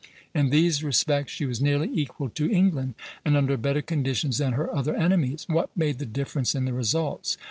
In these respects she was nearly equal to England, and under better conditions than her other enemies. What made the difference in the results?